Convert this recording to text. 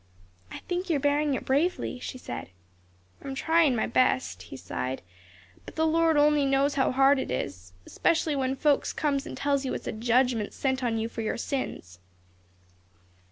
"I think you are bearing it bravely," she said. "I'm tryin' my best," he sighed, "but the Lord only knows how hard it is; 'specially when folks comes and tells you it's a judgment sent onto you for your sins."